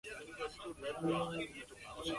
书香世胄之家。